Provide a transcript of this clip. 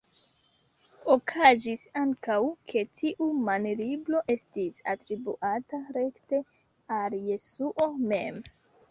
Okazis ankaŭ ke tiu manlibro estis atribuata rekte al Jesuo mem.